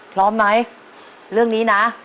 พร้อมไหมเรื่องนี้นะ